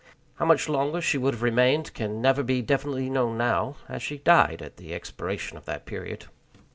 How much longer she would have remained can never be definitely known now, as she died at the expiration of that period.